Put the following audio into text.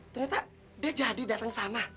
ternyata dia jadi datang sana